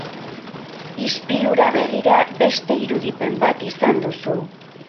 Ispilura begira beste irudipen bat izan duzu.